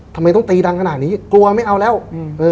ทำไมต้องตีดังขนาดนี้กลัวไม่เอาแล้วอืมเออ